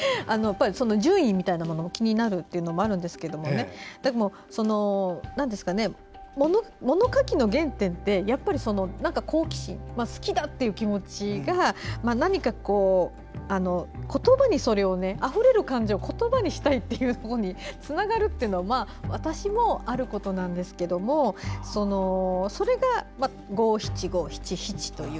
順位も気になるんですが物書きの原点ってやっぱり好奇心好きだという気持ちが何か言葉にあふれる感情を言葉にしたいという方につながるというのは私もあることなんですけどそれが五七五七七という